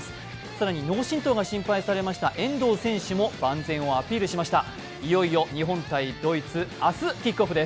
更に脳震とうが心配されました遠藤選手も万全をアピールしました。